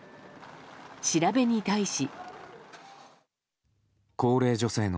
調べに対し。